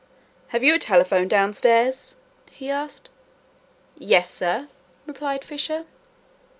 "Have you a telephone downstairs!" he asked. "Yes, sir," replied Fisher.